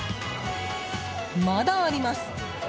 まだあります。